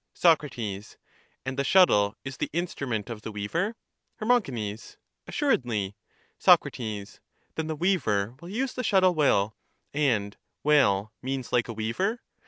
Soc. And the shuttle is the instrument of the weaver? Her. Assuredly. Soc. Then the weaver will use the shuttle well — and well means like a weaver?